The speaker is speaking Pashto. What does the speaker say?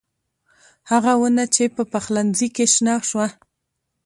هغه ونه چې په پخلنخي کې شنه شوه